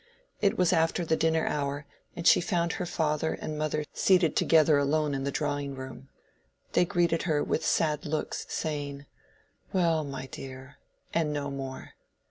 It was after the dinner hour, and she found her father and mother seated together alone in the drawing room. They greeted her with sad looks, saying "Well, my dear!" and no more.